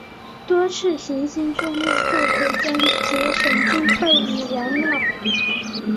多次的行星重力助推将节省经费与燃料。